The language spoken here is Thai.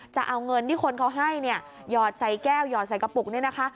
จะเอาเงินที่คนเขาให้เนี่ยหยอดใส่แก้วหยอดใส่กระปุกเนี่ยนะคะ